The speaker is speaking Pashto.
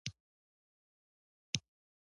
کله چې دوه کسان خپله کې سیالي پيل کړي.